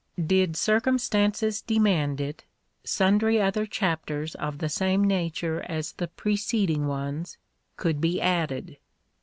Did circumstances demand it, sundry other chapters of the same nature as the preceding ones, could be added.